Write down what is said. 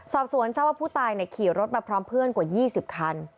สอบสวนทราบว่าผู้ตายขี่รถมาพร้อมเพื่อนกว่า๒๐คัน